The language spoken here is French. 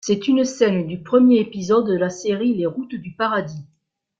C'est une scène du premier épisode de la série Les Routes du Paradis.